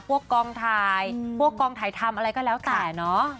กองถ่ายพวกกองถ่ายทำอะไรก็แล้วแต่เนาะ